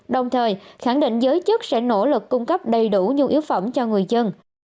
đồng thời khẳng định giới chức sẽ nỗ lực cung cấp đầy đủ nhu yếu phẩm cho người dân